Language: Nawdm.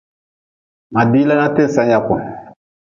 Ma dila na ti-n sen yaku.